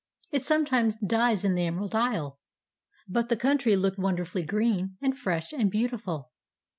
It sometimes dies in the Emerald Isle; but the country looked wonderfully green and fresh and beautiful.